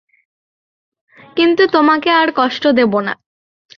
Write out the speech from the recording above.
কিন্তু তোমাকে আর কষ্ট দেবো না।